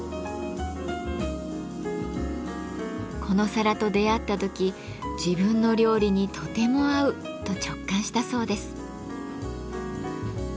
この皿と出会った時自分の料理にとても合うと直感したそうです。